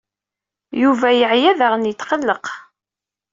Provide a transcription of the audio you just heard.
Yuba yeɛya daɣen yetqelleq.